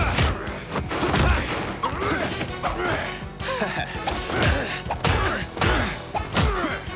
ハハッ！